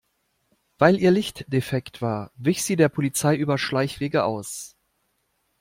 Weil ihr Licht defekt war, wich sie der Polizei über Schleichwege aus.